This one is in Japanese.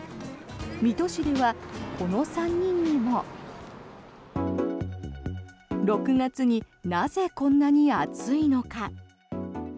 水戸市ではこの３人にも。６月になぜこんなに暑いのか。